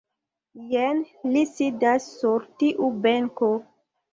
Jen li sidas sur tiu benko.